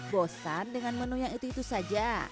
bosan dengan menu yang itu itu saja